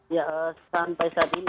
ya sampai saat ini